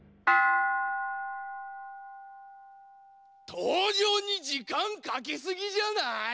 とうじょうにじかんかけすぎじゃない？